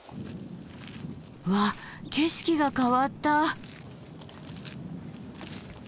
わあ景色が変わった。